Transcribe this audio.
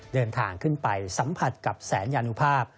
เดินทางขึ้นไปสัมผัสกับแสนยานุภาพ